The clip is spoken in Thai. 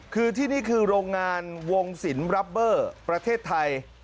คือที่นี่คือโรงงานวงศิลปเบอร์ประเทศไทย